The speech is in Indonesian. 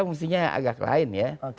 mestinya agak lain ya